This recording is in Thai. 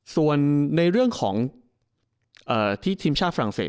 ส่วนในเรื่องทีมชาติฟรั่งเศส